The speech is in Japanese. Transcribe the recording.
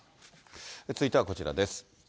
続いてはこちらです。